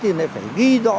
thì lại phải ghi rõ